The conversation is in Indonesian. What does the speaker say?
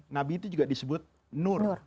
nabi itu juga disebut nur